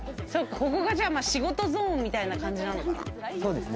ここが仕事ゾーンみたいな感じなのかな？